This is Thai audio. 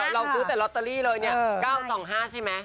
เราซื้อแต่ลอตเตอรี่เลยเนี่ย๙๒๕ใช่ไหม